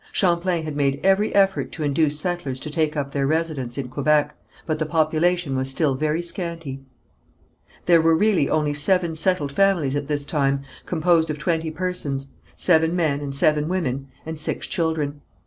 Champlain had made every effort to induce settlers to take up their residence in Quebec, but the population was still very scanty. There were really only seven settled families at this time, composed of twenty persons, seven men and seven women, and six children.